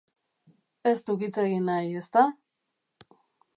Ez duk hitz egin nahi, ezta?